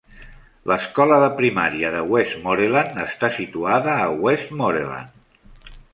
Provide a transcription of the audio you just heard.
L'escola de primària de Westmoreland està situada a Westmoreland.